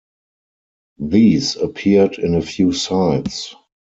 These appeared in a few sites.